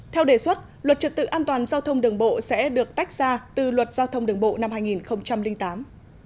theo đề xuất luật trật tự an toàn giao thông đường bộ sẽ được tách ra từ luật giao thông đường bộ năm hai nghìn tám